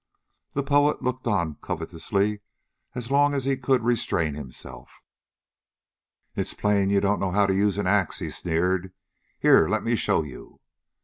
The poet looked on covetously as long as he could restrain himself. "It's plain you don't know how to use an axe," he sneered. "Here, let me show you."